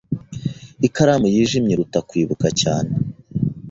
Ikaramu yijimye iruta kwibuka cyane.